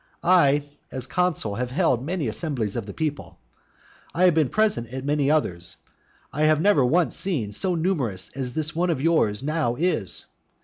I, as consul, have held many assemblies of the people, I have been present at many others, I have never once seen one so numerous as this one of yours now is.